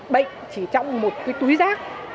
bệnh chỉ trong một cái túi rác